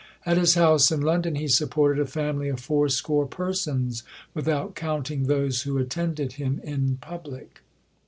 At his house in London he supported a family of fourscore persons, without counting those who attended him in public.